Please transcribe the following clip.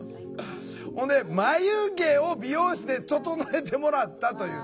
ほんで「眉毛を美容室で整えてもらった」というね。